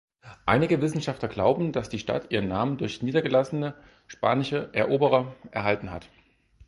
Einige Wissenschaftler glauben, dass die Stadt ihren Namen durch niedergelassene spanische Eroberer erhalten hat.